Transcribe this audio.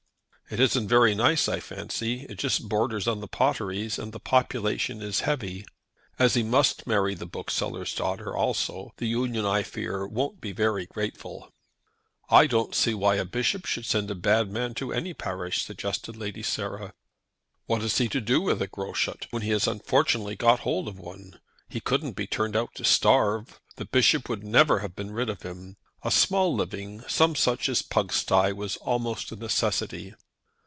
"It isn't very nice, I fancy. It just borders on the Potteries, and the population is heavy. As he must marry the bookseller's daughter also, the union, I fear, won't be very grateful." "I don't see why a bishop should send a bad man to any parish," suggested Lady Sarah. "What is he to do with a Groschut, when he has unfortunately got hold of one? He couldn't be turned out to starve. The Bishop would never have been rid of him. A small living some such thing as Pugsty was almost a necessity."